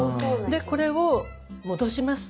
でこれを戻します。